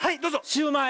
シューマイ！